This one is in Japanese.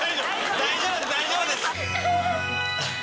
大丈夫です大丈夫です。